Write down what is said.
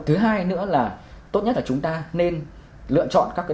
thứ hai nữa là tốt nhất là chúng ta nên lựa chọn các đơn vị